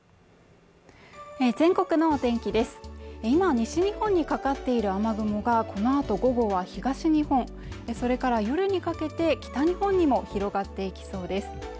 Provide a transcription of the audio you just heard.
今西日本にかかっている雨雲がこのあと午後は東日本それから夜にかけて北日本にも広がっていきそうです